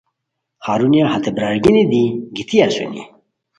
ہرونیہ ہتے برار گینی دی گیتی اسونی